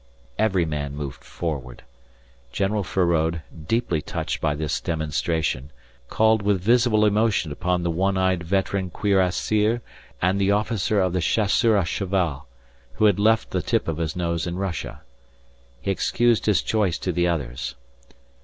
Every man moved forward. General Feraud, deeply touched by this demonstration, called with visible emotion upon the one eyed veteran cuirassier and the officer of the Chasseurs à cheval, who had left the tip of his nose in Russia. He excused his choice to the others.